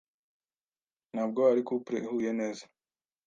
Ntabwo ari couple ihuye neza.